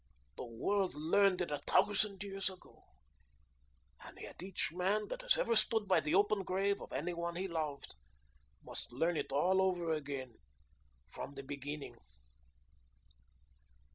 The world learned it a thousand years ago, and yet each man that has ever stood by the open grave of any one he loved must learn it all over again from the beginning."